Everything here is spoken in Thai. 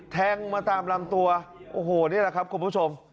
แทงมาตามลำตัวโอ้โหนี่แหละครับคุณผู้ชม